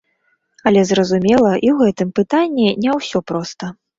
Але зразумела, і ў гэтым пытанні не ўсё проста.